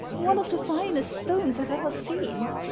One of the finest stones I've ever seen.